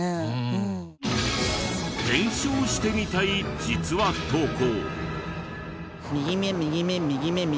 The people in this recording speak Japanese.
検証してみたい「実は」投稿。